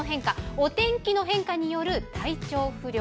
お天気の変化による体調不良。